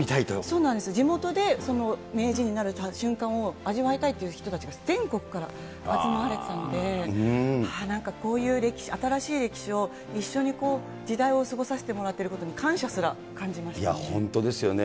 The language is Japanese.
そうなんです、名人になる瞬間を味わいたいという人たちが、全国から集まれていたので、なんかこういう新しい歴史を一緒にこう、時代を過ごさせてもらっていることに感謝すら感じましたいや、本当ですよね。